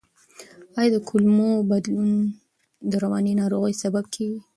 آیا د کولمو بدلون د رواني ناروغیو سبب کیږي؟